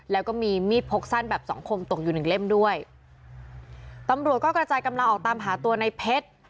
แล้วก็มีมีดพกสั้นแบบสองคมตกอยู่หนึ่งเล่มด้วยตำรวจก็กระจายกำลังออกตามหาตัวในเพชร